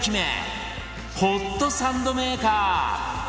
ホットサンドメーカー！